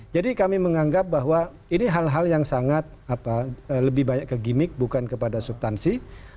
jadi kami menganggap bahwa ini hal hal yang sangat lebih banyak ke gimmick bukan kepada subtansi